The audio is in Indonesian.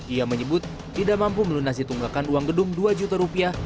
ia menyebut tidak mampu melunasi tunggakan uang gedung dua juta rupiah